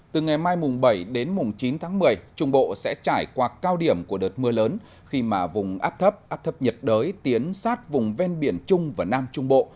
từ ngày mai mùng bảy đến mùng chín tháng một mươi trung bộ sẽ trải qua cao điểm của đợt mưa lớn khi mà vùng áp thấp áp thấp nhiệt đới tiến sát vùng ven biển trung và nam trung bộ